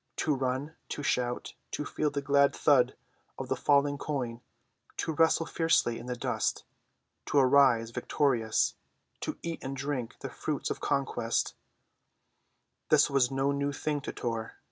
To run, to shout, to feel the glad thud of the falling coin; to wrestle fiercely in the dust, to arise victorious, to eat and drink the fruits of conquest—this was no new thing to Tor.